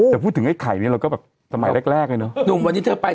แต่พูดถึงไอ้ไข่เนี่ยเราก็แบบสมัยแรกเลยเนอะหนุ่มวันนี้เธอไป